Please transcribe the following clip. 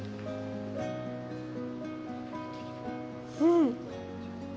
うん！